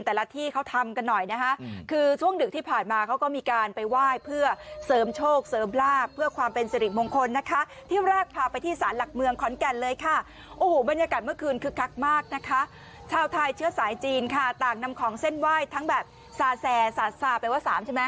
แต่ละที่เขาทำกันหน่อยนะคะคือช่วงดึกที่ผ่านมาเขาก็มีการไปไหว้เพื่อเสริมโชคเสริมลาบเพื่อความเป็นสิริมงคลนะคะที่แรกพาไปที่สารหลักเมืองขอนแก่นเลยค่ะโอ้โหบรรยากาศเมื่อคืนคึกคักมากนะคะชาวไทยเชื้อสายจีนค่ะต่างนำของเส้นไหว้ทั้งแบบซาแซซาซาแปลว่าสามใช่ไหม